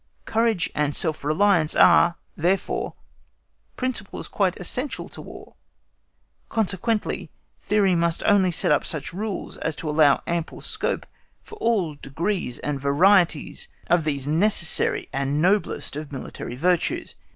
Courage and self reliance are, therefore, principles quite essential to War; consequently, theory must only set up such rules as allow ample scope for all degrees and varieties of these necessary and noblest of military virtues.